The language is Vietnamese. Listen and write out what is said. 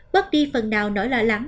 bất đi phần nào nổi lạ lắm